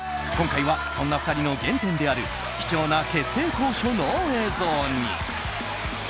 今回はそんな２人の原点である貴重な結成当初の映像に。